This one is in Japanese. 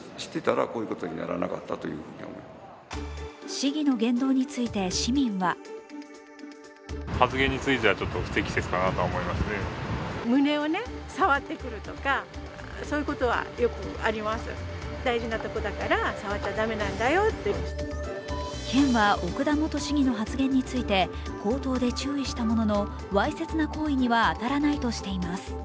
市議の言動について市民は県は奥田元市議の発言について口頭で注意したもののわいせつな行為には当たらないとしています。